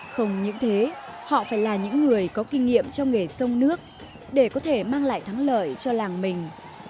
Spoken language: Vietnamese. không những thế họ phải là những người có kinh nghiệm trong nghề sông nước để có thể mang lại thắng lợi cho làng mình